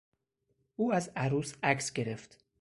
او از عروس عکس گرفت.